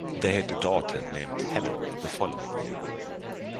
They had a daughter named Helen the following year.